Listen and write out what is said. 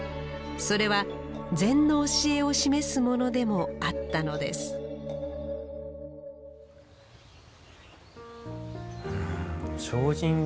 それは禅の教えを示すものでもあったのです精進